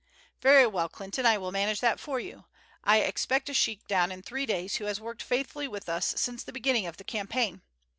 "Very well, Clinton, I will manage that for you. I expect a sheik down in three days who has worked faithfully with us since the beginning of the campaign.